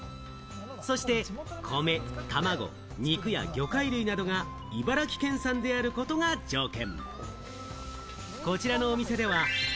そして米、たまご、肉や魚介類などが茨城県産であることが条件。